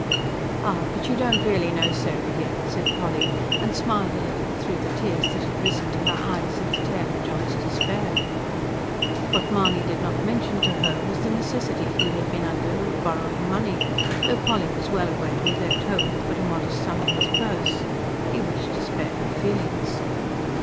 "Ah, but you don't really know Sarah yet," said Polly, and smiled a little, through the tears that had ripen to her eyes at the tale of John's despair. What Mahony did not mention to her was the necessity he had been under of borrowing money; though Polly was aware he had left home with but a modest sum in his purse. He wished to spare her feelings.